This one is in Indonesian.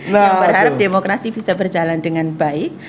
yang berharap demokrasi bisa berjalan dengan baik